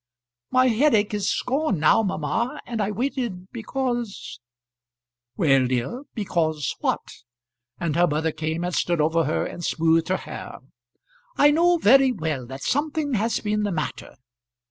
"My headache is gone now, mamma; and I waited because " "Well, dear; because what?" and her mother came and stood over her and smoothed her hair. "I know very well that something has been the matter.